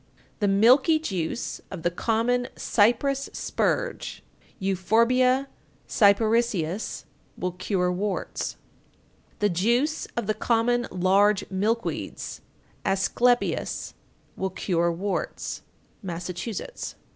The milky juice of the common cypress spurge (Euphorbia Cyparissias) will cure warts. 894. The juice of the common large milk weeds (Asclepias) will cure warts. _Massachusetts.